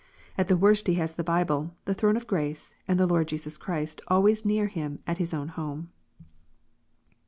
At the worst he has the Bible, the throne of grace, and the Lord Jesus Christ always near him at his own home.